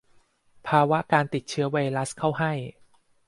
ภาวะการติดเชื้อไวรัสเข้าให้